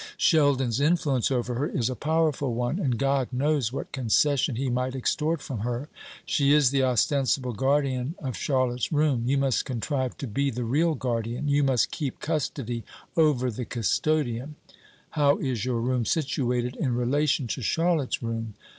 Sheldon's influence over her is a powerful one; and God knows what concession he might extort from her. She is the ostensible guardian of Charlotte's room; you must contrive to be the real guardian. You must keep custody over the custodian. How is your room situated in relation to Charlotte's room?"